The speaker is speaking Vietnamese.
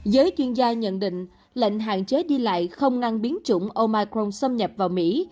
giới chuyên gia nhận định lệnh hạn chế đi lại không ngăn biến chủng omicron xâm nhập vào mỹ